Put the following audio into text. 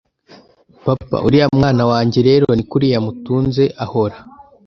Papa uriya mwana wanjye rero nikuriya mutunze ahora